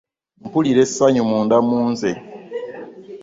Mpulira essanyu munda munze .